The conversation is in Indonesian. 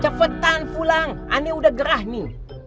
cepetan pulang aneh udah gerah nih